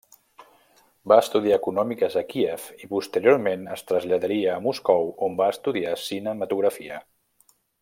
Va estudiar econòmiques a Kíev i posteriorment es traslladaria a Moscou on va estudiar cinematografia.